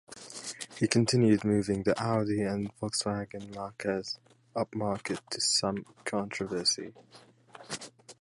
He continued moving the Audi and Volkswagen marques upmarket to some controversy.